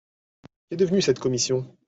Qu’est devenue cette commission ?